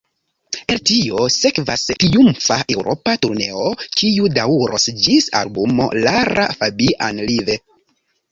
El tio sekvas triumfa Eŭropa turneo, kiu daŭros ĝis albumo Lara Fabian Live.